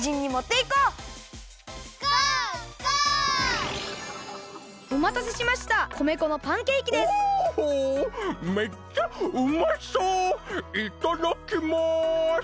いただきます！